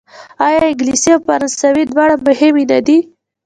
آیا انګلیسي او فرانسوي دواړه مهمې نه دي؟